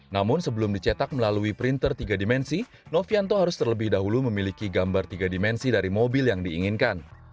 namun sebelum dicetak melalui printer tiga dimensi novianto harus terlebih dahulu memiliki gambar tiga dimensi dari mobil yang diinginkan